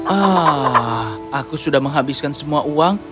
ah aku sudah menghabiskan semua uang